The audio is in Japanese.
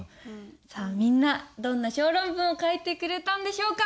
さあみんなどんな小論文を書いてくれたんでしょうか。